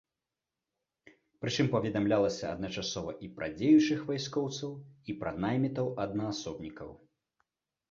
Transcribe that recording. Прычым паведамлялася адначасова і пра дзеючых вайскоўцаў, і пра наймітаў-аднаасобнікаў.